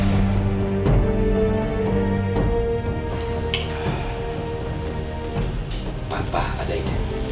apa apa ada ini